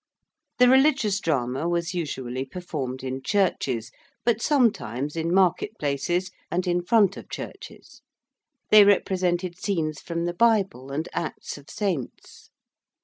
The Religious Drama was usually performed in churches, but sometimes in market places and in front of churches. They represented scenes from the Bible and acts of saints.